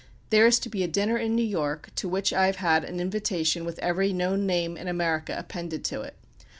There is to be a dinner in New York, ... to which I have had an invitation with every known name in America appended to it....